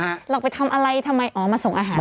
เราไปทำอะไรทำไมอ๋อมาส่งอาหาร